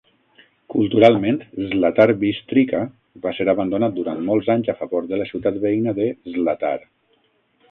Culturalment, Zlatar Bistrica va ser abandonat durant molts anys a favor de la ciutat veïna de Zlatar.